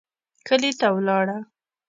کلي ته ولاړو.